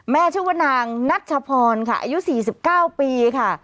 ชื่อว่านางนัชพรค่ะอายุ๔๙ปีค่ะ